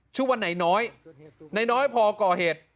ชื่อว่าไหนน้อยไหนน้อยพอก่อเหตุ